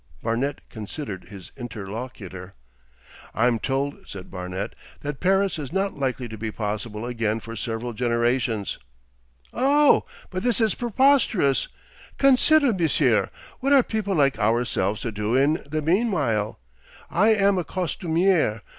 Barnet considered his interlocutor. 'I'm told,' said Barnet, 'that Paris is not likely to be possible again for several generations.' 'Oh! but this is preposterous! Consider, Monsieur! What are people like ourselves to do in the meanwhile? I am a costumier.